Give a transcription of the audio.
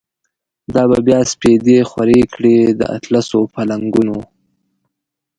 دا به بیا سپیدی خوری کړی، داطلسو پالنګونو